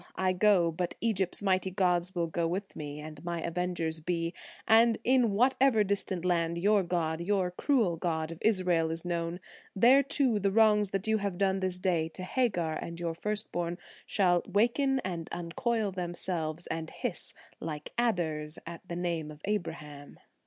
I go, but Egypt's mighty gods Will go with me, and my avengers be, And in whatever distant land your god, Your cruel god of Israel, is known, There, too, the wrongs that you have done this day To Hagar and your first born, Shall waken and uncoil themselves, and hiss Like adders at the name of Abraham."